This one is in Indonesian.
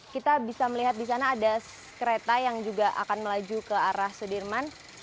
kita bisa melihat di sana ada kereta yang juga akan melaju ke arah sudirman